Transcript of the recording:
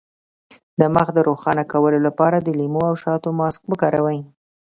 د مخ د روښانه کولو لپاره د لیمو او شاتو ماسک وکاروئ